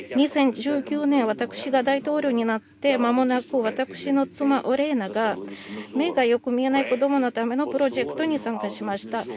２０１９年、私が大統領になって間もなく私の妻が目が見えない子供たちのためのプロジェクトに参加しました。